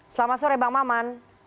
selamat sore bang maman